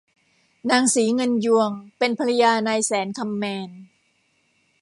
นางศรีเงินยวงเป็นภรรยานายแสนคำแมน